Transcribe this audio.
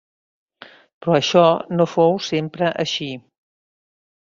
Però això no fou sempre així.